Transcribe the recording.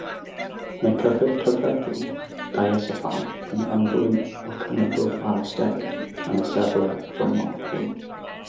Mae cyffur cyffredin, diazepam, yn ymddwyn fel cynyddwr alosterig yn y safle rhwymo hwn.